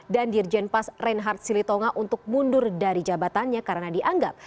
dan dirjen pas reinhard silitonga untuk mundur dari jabatannya karena dianggap